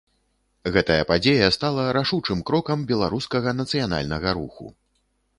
Гэтая падзея стала рашучым крокам беларускага нацыянальнага руху.